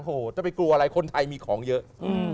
โอ้โหจะไปกลัวอะไรคนไทยมีของเยอะ